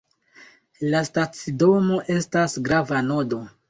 La stacidomo estas grava nodo.